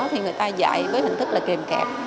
thì người ta dạy với hình thức là kìm kẹp